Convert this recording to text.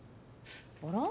あら？